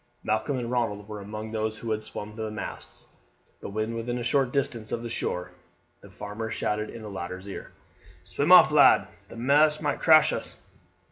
Malcolm and Ronald were among those who had swum to the masts, but when within a short distance of the shore the former shouted in the latter's ear: "Swim off, lad, the masts might crush us."